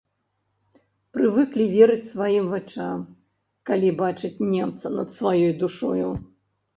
Прывыклі верыць сваім вачам, калі бачаць немца над сваёй душою.